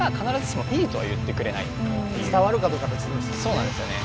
そうなんですよね。